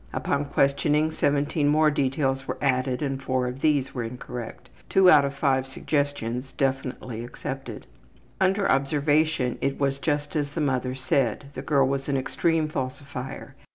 Upon questioning, 17 more details were added and 4 of these were incorrect. 2 out of 5 suggestions definitely accepted. Under observation it was just as the mother said. The girl was an extreme falsifier.